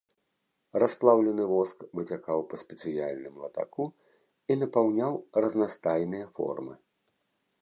Расплаўлены воск выцякаў па спецыяльным латаку і напаўняў разнастайныя формы.